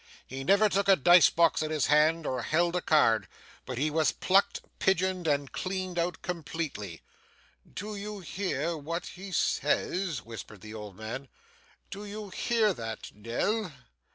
He never took a dice box in his hand, or held a card, but he was plucked, pigeoned, and cleaned out completely.' 'Do you hear what he says?' whispered the old man. 'Do you hear that, Nell?